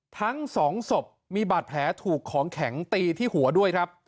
ทั้งสองศพมีบาดแผลถูกของแข็งตีที่หัวด้วยครับ